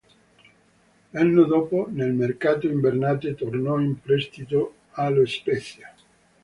L'anno dopo, nel mercato invernale, tornò in prestito allo Spezia.